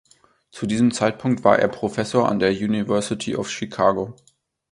Zu diesem Zeitpunkt war er Professor an der University of Chicago.